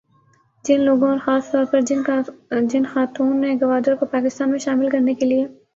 جن لوگوں اور خاص طور پر جن خاتون نے گوادر کو پاکستان میں شامل کرنے کے لیے